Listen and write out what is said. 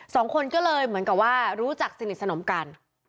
สองคนก็เลยเหมือนกับว่ารู้จักสนิทสนมกัน